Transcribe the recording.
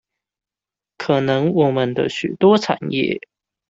可能我們的許多產業